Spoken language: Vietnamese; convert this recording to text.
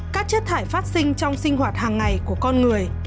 các chất thải phát sinh trong sinh hoạt hàng ngày của con người